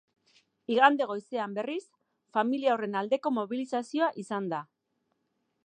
Igande goizean, berriz, familia horren aldeko mobilizazioa izan da.